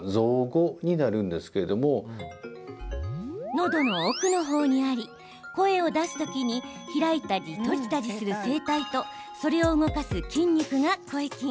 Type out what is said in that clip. のどの奥の方にあり声を出す時に開いたり閉じたりする声帯とそれを動かす筋肉が声筋。